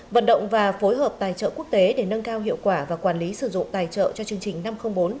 vận động và phối hợp tài trợ quốc tế để nâng cao hiệu quả và quản lý sử dụng tài trợ cho chương trình năm trăm linh bốn